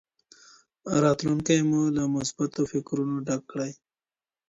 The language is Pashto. راتلونکی مو له مثبتو فکرونو ډک کړئ.